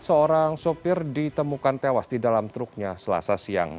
seorang sopir ditemukan tewas di dalam truknya selasa siang